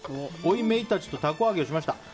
おい、めいたちとたこ揚げをしました。